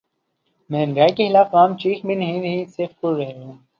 مہنگائی کے خلاف عوام چیخ بھی نہیں رہے‘ صرف کڑھ رہے ہیں۔